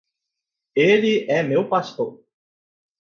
Ele é meu pastor.